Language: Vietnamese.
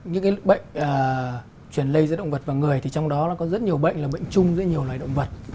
những cái bệnh chuyển lây giữa động vật và người thì trong đó nó có rất nhiều bệnh là bệnh chung giữa nhiều loài động vật